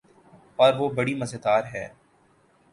اوروہ بڑی مزیدار ہے۔